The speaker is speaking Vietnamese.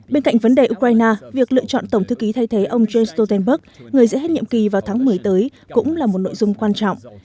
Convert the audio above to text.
bên cạnh vấn đề ukraine việc lựa chọn tổng thư ký thay thế ông james stoltenberg người sẽ hết nhiệm kỳ vào tháng một mươi tới cũng là một nội dung quan trọng